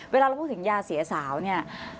เวลาเราพูดถึงยาเสียสาวเนี่ย